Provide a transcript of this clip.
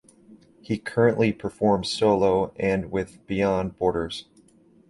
He currently performs solo and with Beyond Borders.